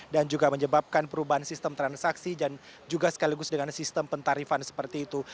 dan juga menyebabkan perubahan sistem transaksi dan juga sekaligus dengan sistem pentarifan seperti itu